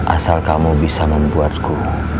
asal kamu bisa membuatku